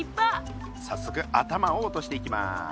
さっそく頭を落としていきます。